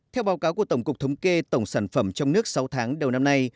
theo báo cáo của tổng cục thống kê tổng sản phẩm trong nước sáu tháng đầu năm nay